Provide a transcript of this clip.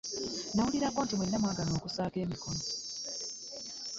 Nawulirako nti mwenna mwagaana okussaako emikono.